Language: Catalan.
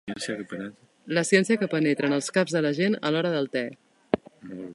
La ciència que penetra en els caps de la gent a l'hora del te.